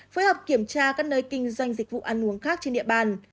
phối hợp kiểm tra các nơi kinh doanh dịch vụ ăn uống khác trên địa bàn